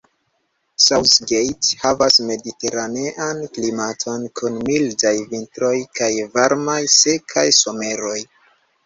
South Gate havas mediteranean klimaton kun mildaj vintroj kaj varmaj, sekaj someroj.